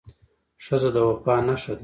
ښځه د وفا نښه ده.